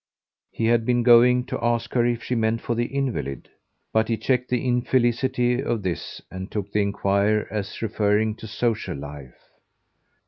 He had been going to ask her if she meant for the invalid; but he checked the infelicity of this and took the enquiry as referring to social life.